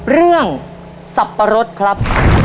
เรื่องสับปะรดครับ